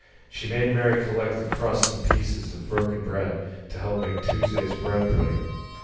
She made Mary collect the crusts and pieces of broken bread to help to make Tuesday's bread pudding.